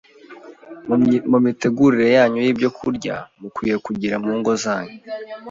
Mu mitegurire yanyu y’ibyokurya, mukwiriye kugira mu ngo zanyu,